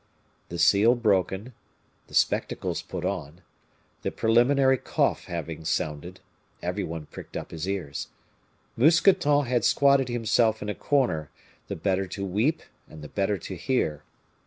The seal broken the spectacles put on the preliminary cough having sounded every one pricked up his ears. Mousqueton had squatted himself in a corner, the better to weep and the better to hear.